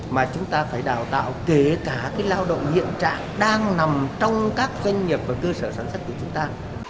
mà chúng ta phải đào tạo kể cả lao động hiện trạng đang nằm trong các doanh nghiệp và cơ sở sản xuất của chúng ta